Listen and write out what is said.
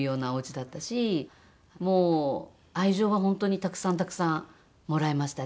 もう愛情は本当にたくさんたくさんもらいましたね。